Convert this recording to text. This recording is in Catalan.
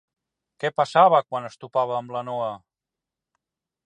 Què passava quan es topava amb la Noa?